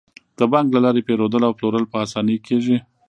د بانک له لارې پيرودل او پلورل په اسانۍ کیږي.